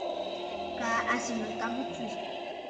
Kaa à sɨ̀ nɨ̂ ŋ̀kabə tswê.